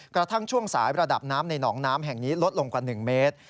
กระทั่งช่วงสายระดับน้ำในหนองน้ำแห่งนี้ลดลงกว่า๑เมตร